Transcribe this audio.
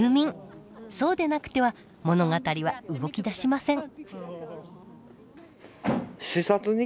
そうでなくては物語は動き出しません。